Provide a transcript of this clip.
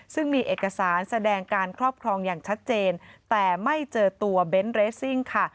ซึ่งมีเอกสารแสดงการครอบครองอย่างชัดเจนแต่ไม่เจอตัวเบนท์เรสซิ่งค่ะ